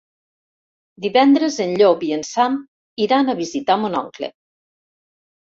Divendres en Llop i en Sam iran a visitar mon oncle.